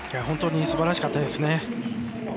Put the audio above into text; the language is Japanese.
本当にすばらしかったですね。